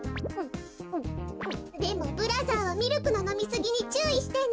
でもブラザーはミルクののみすぎにちゅういしてね。